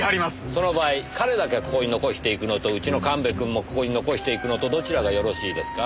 その場合彼だけここに残していくのとうちの神戸君もここに残していくのとどちらがよろしいですか？